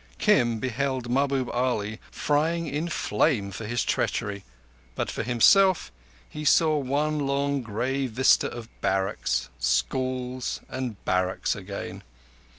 Kim beheld Mahbub Ali frying in flame for his treachery, but for himself he saw one long grey vista of barracks, schools, and barracks again.